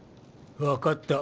分かった。